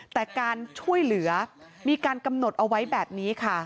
แต่การช่วยเหลือมีการกำหนดเอาไว้แบบนี้ค่ะ